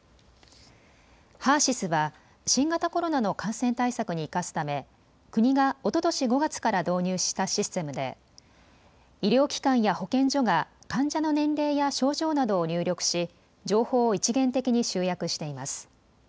ＨＥＲーＳＹＳは新型コロナの感染対策に生かすため国がおととし５月から導入したシステムで医療機関や保健所が患者の年齢や症状などを入力し情報を一元的に集約しています。